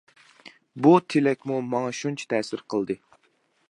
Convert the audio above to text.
بۇ تىلەكمۇ ماڭا شۇنچە تەسىر قىلدى.